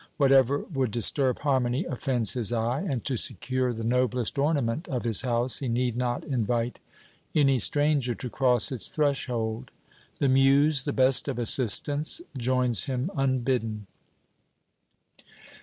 Whatever would disturb harmony offends his eye, and to secure the noblest ornament of his house he need not invite any stranger to cross its threshold. The Muse, the best of assistants, joins him unbidden.